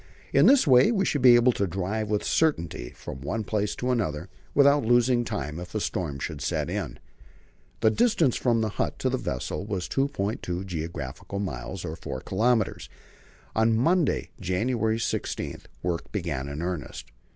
In this way we should be able to drive with certainty from one place to another without losing time if a storm should set in. The distance from the hut site to the vessel was 2.2 geographical miles, or 4 kilometres. On Monday, January 16, work began in earnest.